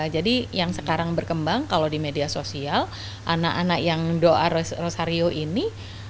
jadi yang sekarang berkembang kalau di media sosial anak anak yang doa rosario ini